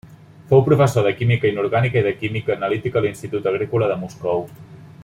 Fou professor de química inorgànica i de química analítica a l'Institut Agrícola de Moscou.